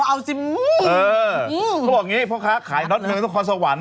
นี่เอาสิเออเขาบอกอย่างงี้เพราะคะขายดอตเมืองต้องคอสวรรค์